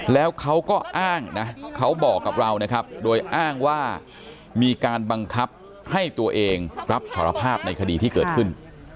แล้วเขาก็อ้างนะเขาบอกกับเรานะครับโดยอ้างว่ามีการบังคับให้ตัวเองรับสารภาพในคดีที่เกิดขึ้น